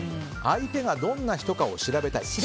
相手がどんな人かを調べたい。